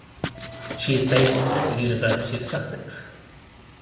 She is based at the University of Sussex.